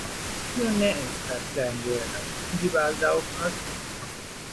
Tio ne estas danĝera, ĝi baldaŭ pasos.